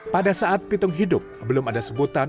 pada saat pitung hidup belum ada sebutan